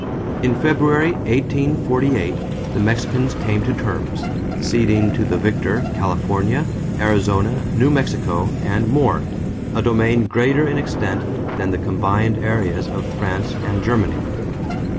In February, 1848, the Mexicans came to terms, ceding to the victor California, Arizona, New Mexico, and more a domain greater in extent than the combined areas of France and Germany.